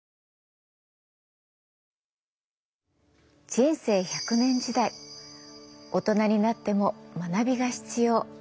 人生１００年時代大人になっても学びが必要。